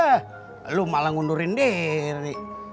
eh lo malah ngundurin diri